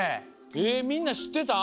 えみんなしってた？